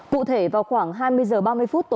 cụ thể vào khoảng hai mươi giờ ba mươi phút